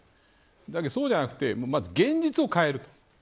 だけどそうじゃなくてまず現実を変える。